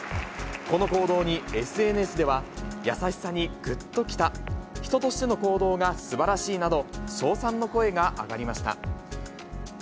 この行動に、ＳＮＳでは優しさにぐっと来た、人としての行動がすばらしいなど、称賛の声が上がりました。